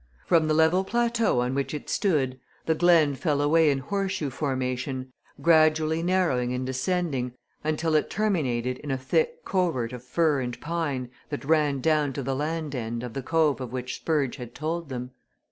From the level plateau on which it stood the Glen fell away in horseshoe formation gradually narrowing and descending until it terminated in a thick covert of fir and pine that ran down to the land end of the cove of which Spurge had told them.